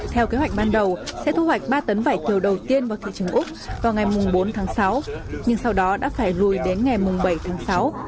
theo kế hoạch ban đầu sẽ thu hoạch ba tấn vải thiều đầu tiên vào thị trường úc vào ngày bốn tháng sáu nhưng sau đó đã phải lùi đến ngày bảy tháng sáu